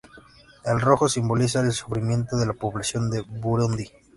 El rojo simboliza el sufrimiento de la población de Burundi.